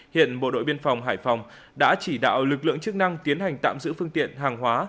hiện bộ đội biên phòng hải phòng đã chỉ đạo lực lượng chức năng tiến hành tạm giữ phương tiện hàng hóa